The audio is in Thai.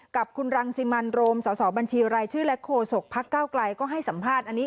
กับคุณรังสิมรโมนิยวก็ให้สัมภาษณ์